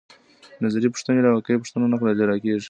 نظري پوښتنې له واقعي پوښتنو نه جلا کیږي.